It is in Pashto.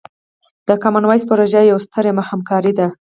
د کامن وایس پروژه یوه ستره همکارۍ ده.